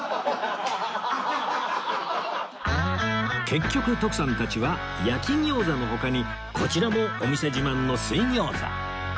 結局徳さんたちは焼き餃子の他にこちらもお店自慢の水餃子